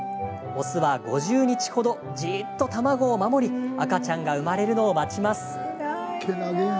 雄は５０日ほど、じっと卵を守り赤ちゃんが生まれるのを待ちます。